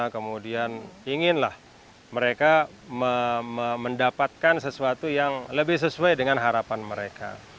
kemudian inginlah mereka mendapatkan sesuatu yang lebih sesuai dengan harapan mereka